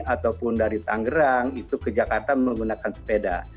ataupun dari tangerang itu ke jakarta menggunakan sepeda